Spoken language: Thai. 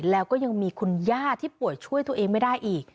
แล้วก็ยังมีคุณย่าที่ป่วยช่วยตัวเองไม่ได้อีก